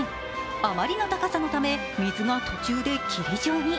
あまりの高さのため、水が途中で霧状に。